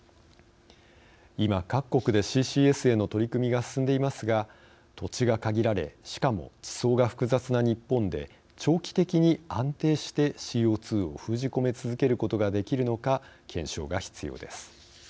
今、各国でＣＣＳへの取り組みが進んでいますが土地が限られしかも地層が複雑な日本で長期的に安定してＣＯ２を封じ込め続けることができるのか検証が必要です。